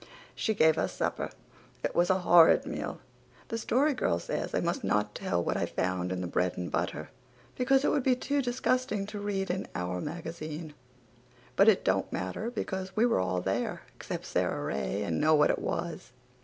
She gave us supper. It was a horrid meal. The Story Girl says I must not tell what I found in the bread and butter because it would be too disgusting to read in Our Magazine but it don't matter because we were all there, except Sara Ray, and know what it was.